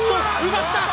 奪った！